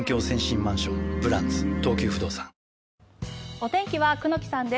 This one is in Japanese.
お天気は久能木さんです。